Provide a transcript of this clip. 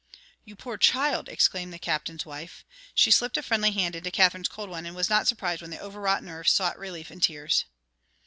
"You poor child!" exclaimed the Captain's wife. She slipped a friendly hand into Katherine's cold one and was not surprised when the overwrought nerves sought relief in tears.